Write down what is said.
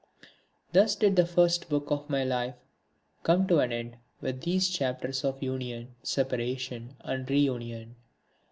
Thus did the First Book of my life come to an end with these chapters of union, separation and reunion.